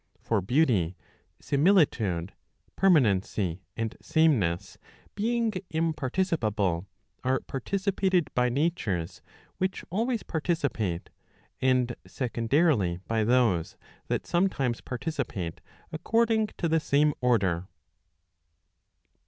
For beauty, similitude, permanency, and sameness, being imparticipable, are participated by natures which always participate, and secondarily by those that sometimes participate according to the same order.